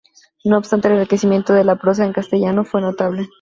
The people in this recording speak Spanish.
No obstante el enriquecimiento de la prosa en castellano fue notable.